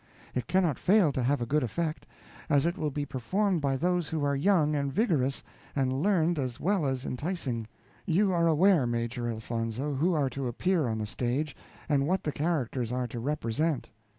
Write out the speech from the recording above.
It cannot fail to have a good effect, as it will be performed by those who are young and vigorous, and learned as well as enticing. You are aware, Major Elfonzo, who are to appear on the stage, and what the characters are to represent."